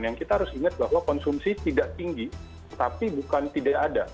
yang kita harus ingat bahwa konsumsi tidak tinggi tapi bukan tidak ada